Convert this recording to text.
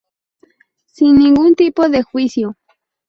Sin ningún tipo de juicio.